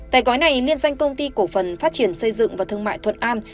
tại cõi này liên danh công ty cổ phần phát triển xây dựng và thương mại thuận an